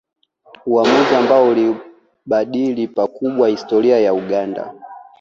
Uamuzi ambao uliibadili pakubwa historia ya Uganda